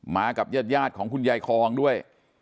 กับญาติของคุณยายคองด้วย